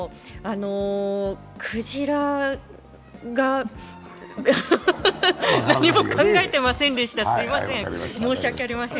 クジラが何も考えてませんでした、しいません。